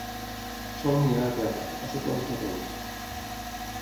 Sol niar a terra, a sota dels matolls.